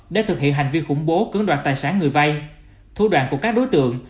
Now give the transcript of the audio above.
để thực hiện hành vi khủng bố cứng đoạt tài sản người vay thu đoàn của các đối tượng